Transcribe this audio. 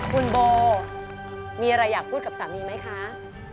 คุณโบมีอะไรอยากพูดกับสามีไหมคะ